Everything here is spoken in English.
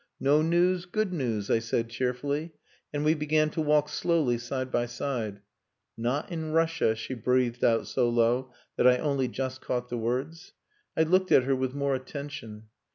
"No news good news," I said cheerfully, and we began to walk slowly side by side. "Not in Russia," she breathed out so low that I only just caught the words. I looked at her with more attention.